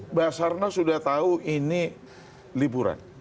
mbak sarna sudah tahu ini liburan